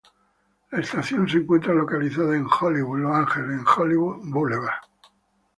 La estación se encuentra localizada en Hollywood, Los Ángeles en Hollywood Boulevard.